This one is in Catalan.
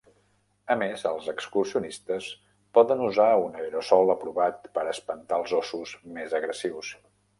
A més, els excursionistes poden usar un aerosol aprovat per espantar els ossos més agressius.